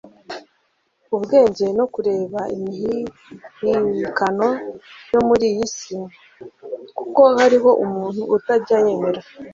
ubwenge no kureba imihihibikano yo muri iyi si t kuko hariho umuntu utajya yemera